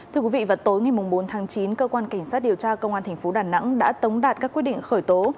thưa quý vị vào tối ngày bốn tháng chín cơ quan cảnh sát điều tra công an tp đà nẵng đã tống đạt các quyết định khởi tố